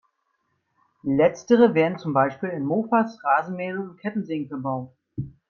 Letztere werden zum Beispiel in Mofas, Rasenmähern und Kettensägen verbaut.